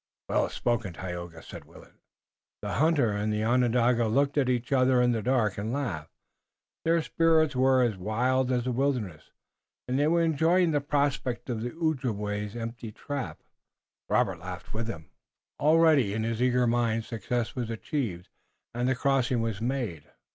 "Well spoken, Tayoga." The hunter and the Onondaga looked at each other in the dark and laughed. Their spirits were as wild as the wilderness, and they were enjoying the prospect of the Ojibway's empty trap. Robert laughed with them. Already in his eager mind success was achieved and the crossing was made.